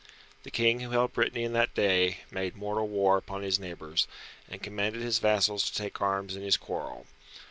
The King who held Brittany in that day, made mortal war upon his neighbours, and commanded his vassals to take arms in his quarrel.